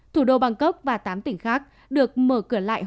thủ đô bangkok và tám tỉnh khác được mở cửa lại